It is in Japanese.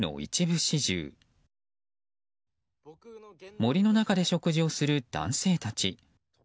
森の中で食事をする男性たち。